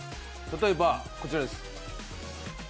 例えばこちらです。